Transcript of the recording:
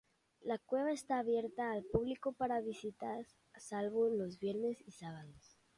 La cueva está abierta al público para visitas salvo los viernes y los sábados.